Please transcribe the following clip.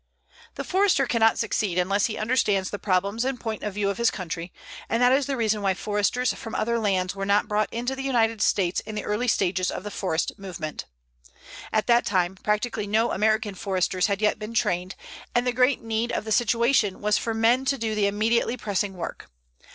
The Forester can not succeed unless he understands the problems and point of view of his country, and that is the reason why Foresters from other lands were not brought into the United States in the early stages of the forest movement. At that time practically no American Foresters had yet been trained, and the great need of the situation was for men to do the immediately pressing work.